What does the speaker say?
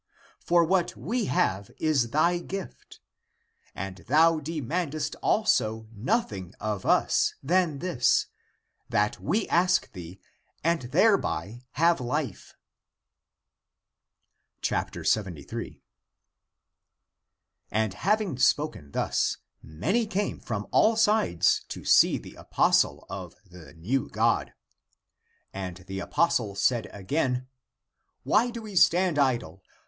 For what we have is thy gift. <And thou demandest also nothing of us> than this, that we ask thee and (thereby) have life," 73. And having spoken thus, many came from all sides to see the apostle of the new God. And the apostle said again, " Why do we stand idle